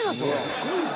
すごいな。